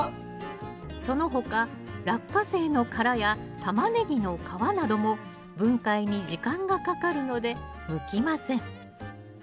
その他ラッカセイの殻やタマネギの皮なども分解に時間がかかるので向きません